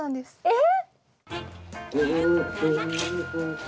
えっ！？